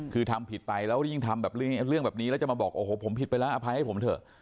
คือทำผิดไปแล้วยิ่งทำแบบเรื่องแบบนี้แล้วจะมาบอกโอ้โหผมผิดไปแล้วอภัยให้ผมเถอะ